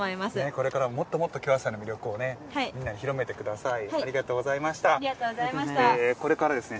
これからももっともっと京野菜の魅力をみんなに広めてください。